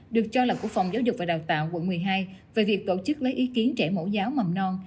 được cho là của phòng giáo dục và đào tạo quận một mươi hai về việc tổ chức lấy ý kiến trẻ mẫu giáo mầm non